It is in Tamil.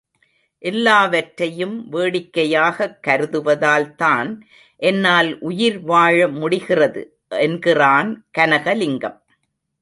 எல்லாவற்றையும் வேடிக்கையாகக் கருதுவதால் தான் என்னால் உயிர் வாழ முடிகிறது, என்கிறான் கனகலிங்கம்.